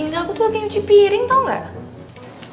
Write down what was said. enggak aku tuh lagi nyuci piring tau gak